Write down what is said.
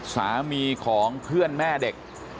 สามีของเพื่อนแม่เด็ก